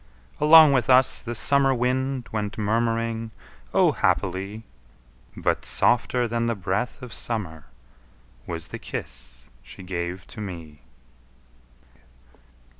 Along with us the summer wind Went murmuring O, happily! But softer than the breath of summer Was the kiss she gave to me.